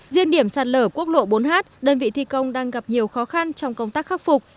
riêng điểm sạt lở quốc lộ bốn h đơn vị thi công đang gặp nhiều khó khăn trong công tác khắc phục